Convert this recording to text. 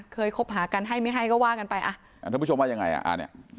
คบหากันให้ไม่ให้ก็ว่ากันไปอ่ะอ่าท่านผู้ชมว่ายังไงอ่ะอ่าเนี้ย